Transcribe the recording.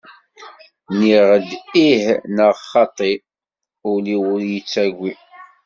Nniɣ-d ih neɣ xaṭ, ul-iw ur yettagi.